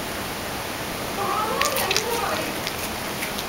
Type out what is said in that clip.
Leɣṛama ad nernu tiɣrit.